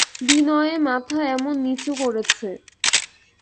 বিনয়ে মাথা এমন নিচু করেছে।